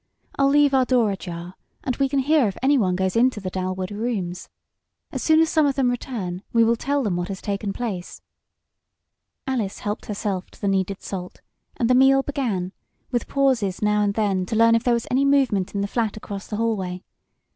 "I'll leave our door ajar, and we can hear if anyone goes into the Dalwood rooms. As soon as some of them return we will tell them what has taken place." Alice helped herself to the needed salt, and the meal began, with pauses now and then to learn if there was any movement in the flat across the hallway.